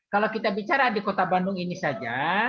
kalau kita bicara di kota bandung ini saja